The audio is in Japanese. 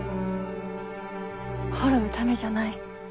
滅ぶためじゃない。